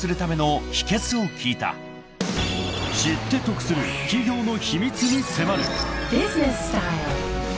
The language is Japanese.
［知って得する企業の秘密に迫る］